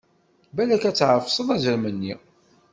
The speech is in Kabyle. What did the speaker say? Balak ad tɛefseḍ azrem-nni!